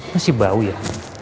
masih bau ya